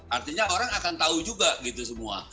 artinya orang akan tahu juga gitu semua